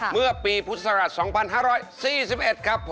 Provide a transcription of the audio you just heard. เมื่อปีพุทธศักดิ์สองพันห้าร้อยสี่สิบเอ็ดครับผม